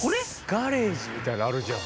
ガレージみたいのあるじゃん。